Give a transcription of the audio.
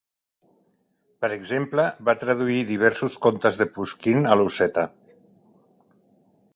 Per exemple, va traduir diversos contes de Pushkin a l'osseta.